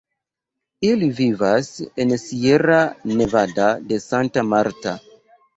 Ili vivas en Sierra Nevada de Santa Marta.